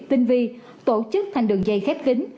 tinh vi tổ chức thành đường dây khép kính